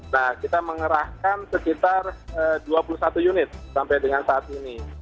nah kita mengerahkan sekitar dua puluh satu unit sampai dengan saat ini